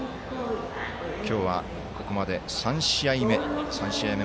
今日はここまで３試合目。